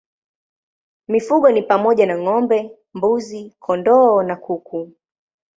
Mifugo ni pamoja na ng'ombe, mbuzi, kondoo na kuku.